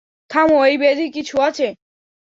থামো, এই ব্যাধি কি ছোঁয়াচে?